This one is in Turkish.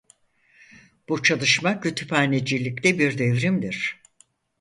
Bu çalışma kütüphanecilikte bir devrimdir.